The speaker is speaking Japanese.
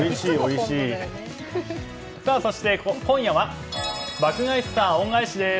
そして今夜は「爆買い☆スター恩返し」です。